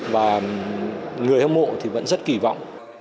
và người hâm mộ thì vẫn rất kỳ vọng